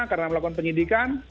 karena melakukan penyidikan